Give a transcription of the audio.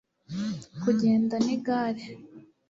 kugenda n' igare